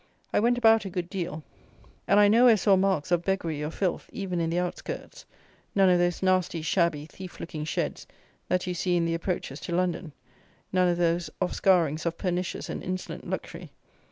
I went about a good deal, and I nowhere saw marks of beggary or filth, even in the outskirts: none of those nasty, shabby, thief looking sheds that you see in the approaches to London: none of those off scourings of pernicious and insolent luxury.